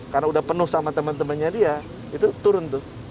karena sudah penuh dengan teman temannya dia itu turun